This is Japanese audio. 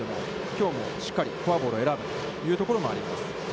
きょうもしっかりフォアボールを選ぶというところもあります。